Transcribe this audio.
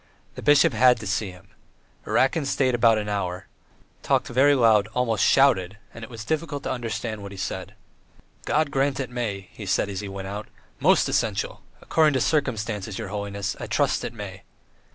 The bishop had to see him. Erakin stayed about an hour, talked very loud, almost shouted, and it was difficult to understand what he said. "God grant it may," he said as he went away. "Most essential! According to circumstances, your holiness! I trust it may!"